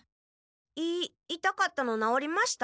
胃いたかったのなおりました？